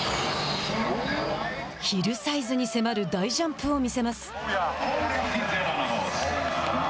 ヒルサイズに迫る大ジャンプを見せます。